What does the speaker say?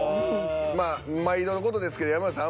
まあ毎度の事ですけど山内さん